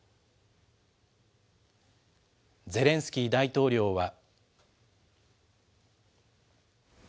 ゼレンスキー大統領は。